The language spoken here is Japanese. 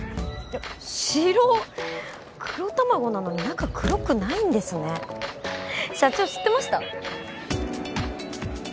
白っ黒たまごなのに中黒くないんですね社長知ってました？